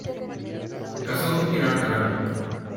Casó con Pilar Arango.